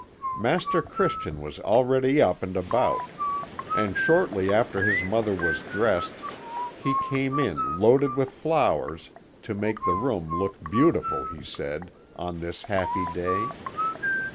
"Master Christian was already up and about, and shortly after his mother was dressed he came in loaded with flowers, to make the room look beautiful, he said, on this happy day.